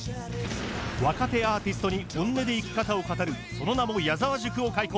若手アーティストに本音で生き方を語るその名も「矢沢塾」を開講！